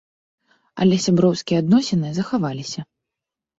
Але сяброўскія адносіны захаваліся.